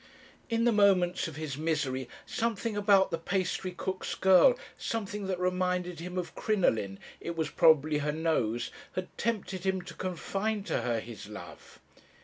In the moments of his misery something about the pastry cook's girl, something that reminded him of Crinoline, it was probably her nose, had tempted him to confide to her his love.